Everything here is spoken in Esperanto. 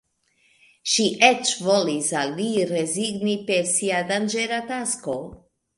Ŝi eĉ volis al li rezigni pri sia danĝera tasko.